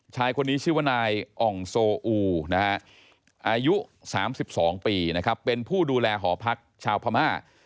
ชายคนนี้ชื่อว่านายอ่องโซอูอายุ๓๒ปีนะครับเป็นผู้ดูแลหอพักชาวพม่า